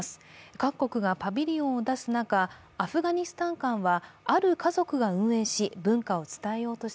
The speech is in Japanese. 各国がパビリオンを出す中アフガニスタン館は、ある家族が運営し、